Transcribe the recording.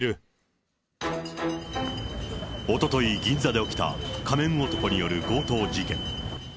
おととい、銀座で起きた仮面男による強盗事件。